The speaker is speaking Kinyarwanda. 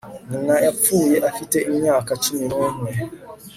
Nyina yapfuye afite imyaka cumi numwe